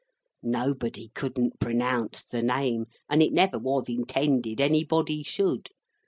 Nobody couldn't pronounce the name, and it never was intended anybody should.